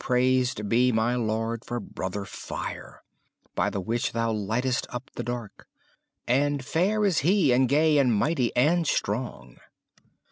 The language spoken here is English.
Praised be my Lord for brother fire, By the which Thou lightest up the dark. And fair is he and gay and mighty and strong.